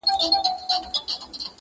• يو وايي جنايت بل وايي شرم,